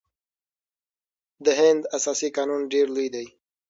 د هند اساسي قانون ډیر لوی دی.